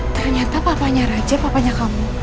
ternyata papanya raja papanya kamu